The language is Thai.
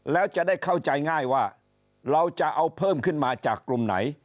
แล้วจะได้เข้าใจง่ายว่าเราจะเอาเพิ่มขึ้นมาจากกลุ่มไหน